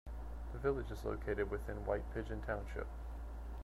The village is located within White Pigeon Township.